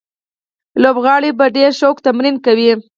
لوبغاړي په ډېر شوق تمرین کوي.